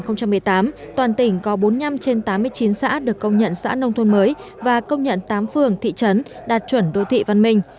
năm hai nghìn một mươi tám toàn tỉnh có bốn mươi năm trên tám mươi chín xã được công nhận xã nông thôn mới và công nhận tám phường thị trấn đạt chuẩn đô thị văn minh